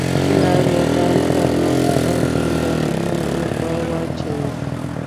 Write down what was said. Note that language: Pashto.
ناروغان پر مخ او اندامونو اوبه واچوي.